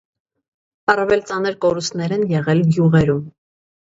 Առավել ծանր կորուստներ են եղել գյուղերում։